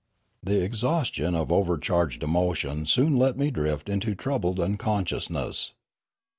The exhaustion of overcharged emotion soon let me drift into troubled unconsciousness.